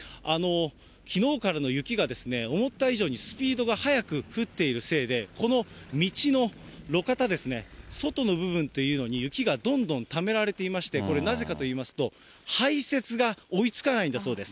きのうからの雪が思った以上にスピードが速く降っているせいで、この道の路肩、外の部分っていうのに雪がどんどんためられていまして、なぜかといいますと、排雪が追いつかないんだそうです。